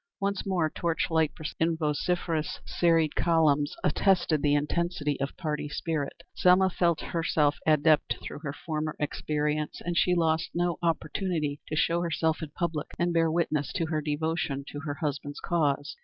Once more torch light processions in vociferous serried columns attested the intensity of party spirit. Selma felt herself an adept through her former experience, and she lost no opportunity to show herself in public and bear witness to her devotion to her husband's cause.